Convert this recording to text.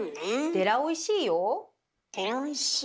「でらおいしいよ」。